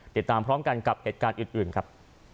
ติดตามพร้อมกันกับเหตุการณ์อื่นครับ